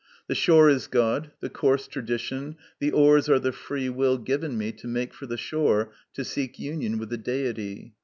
The shore is God, the course tradition, the oars are the free will given me to make for the shore to seek union with the Deity.